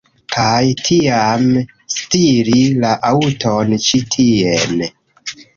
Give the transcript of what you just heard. Kaj tiam stiri la aŭton ĉi tien